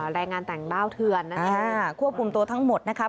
แรงงานต่างด้าวเถือนนะคะควบคุมตัวทั้งหมดนะครับ